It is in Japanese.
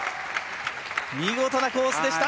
見事なコースでした。